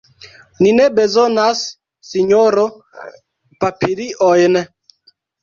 Ni ne bezonas, sinjoro, papiliojn!